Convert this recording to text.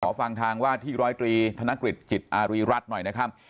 ฟังทางว่าที่ร้อยตรีธนกฤษจิตอารีรัฐหน่อยนะครับ